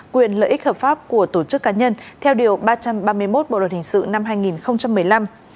quyền lợi ích hợp pháp của tổ chức cá nhân theo điều ba trăm ba mươi một bộ luật hình sự năm hai nghìn một mươi năm